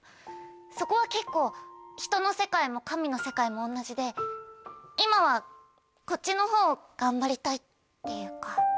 そこは結構人の世界も神の世界も同じで今はこっちのほうを頑張りたいっていうか。